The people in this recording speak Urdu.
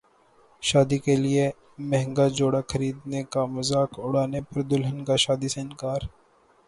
شادی کیلئے مہنگا جوڑا خریدنے کا مذاق اڑانے پر دلہن کا شادی سے انکار